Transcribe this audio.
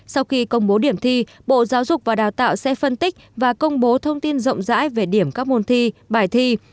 sau khi công bố điểm thi bộ giáo dục và đào tạo sẽ phân tích và công bố thông tin rộng rãi về điểm các môn thi bài thi